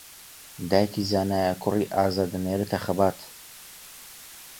دایکی زانایە کوڕی ئازا دەنێرێتە خەبات